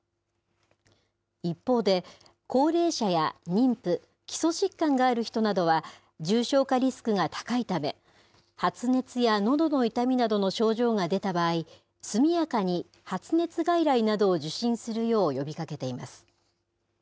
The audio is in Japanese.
一方で、高齢者や妊婦、基礎疾患がある人などは、重症化リスクが高いため、発熱やのどの痛みなどの症状が出た場合、速やかに発熱外来などを受診するよう呼びかけています。